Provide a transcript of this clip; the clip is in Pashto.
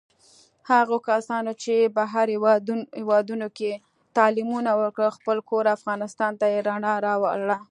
هغو کسانو چې بهر هېوادونوکې تعلیمونه وکړل، خپل کور افغانستان ته یې رڼا راوړله.